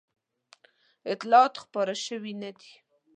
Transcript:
اطلاعات خپاره شوي نه دي.